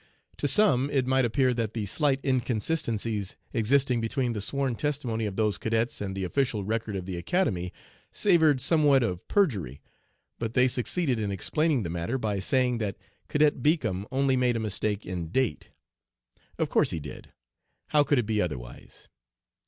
To some it might appear that the slight inconsistencies existing between the sworn testimony of those cadets and the official record of the Academy, savored somewhat of perjury, but they succeeded in explaining the matter by saying that 'Cadet Beacom only made a mistake in date.' Of course he did; how could it be otherwise?